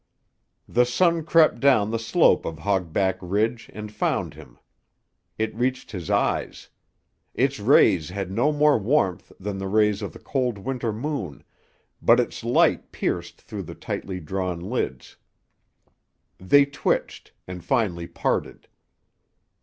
The sun crept down the slope of Hog Back Ridge and found him. It reached his eyes. Its rays had no more warmth than the rays of the cold Winter moon, but its light pierced through the tightly drawn lids. They twitched and finally parted.